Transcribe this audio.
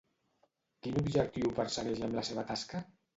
Quin objectiu persegueix amb la seva tasca?